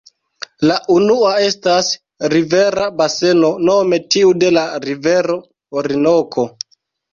La unua estas rivera baseno, nome tiu de la rivero Orinoko.